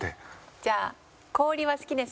じゃあ氷は好きですか？